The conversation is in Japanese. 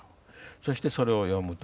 そしてそれを読むと。